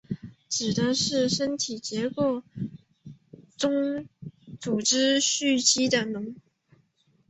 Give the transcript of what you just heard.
指的是在身体组织中蓄积的脓。